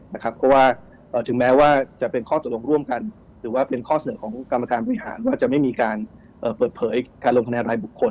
เพราะว่าถึงแม้ว่าจะเป็นข้อตกลงร่วมกันหรือว่าเป็นข้อเสนอของกรรมการบริหารว่าจะไม่มีการเปิดเผยการลงคะแนนรายบุคคล